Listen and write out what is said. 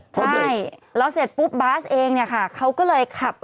ใช่แล้วเสร็จปุ๊บบาร์สเองขักเขาก็เลยขับไลน์